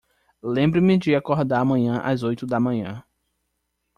Lembre-me de acordar amanhã às oito da manhã.